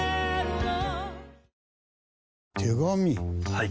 はい。